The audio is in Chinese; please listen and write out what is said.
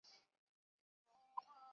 下阕开始两句一般要求对仗。